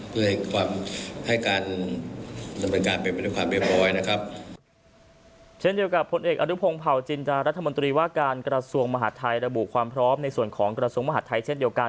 เวนความให้การหลังการเป็นผัดไม่บร้อยนะครับเช่นเดียวกับพลเอกอรุพงศ์พ่อจินตรารัฐมนตรีว่าการกระทรวงมหาทัยระบุความชอบในส่วนของกระทรวงมหาทัยเช่นเดียวกัน